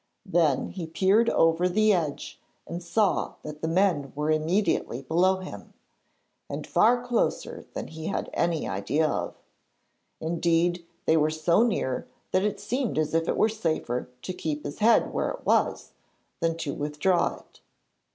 Then he peered over the edge and saw that the men were immediately below him and far closer than he had any idea of. Indeed, they were so near that it seemed as if it were safer to keep his head where it was than to withdraw it.